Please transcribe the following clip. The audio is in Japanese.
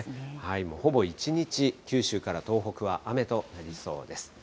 もうほぼ一日、九州から東北は雨となりそうです。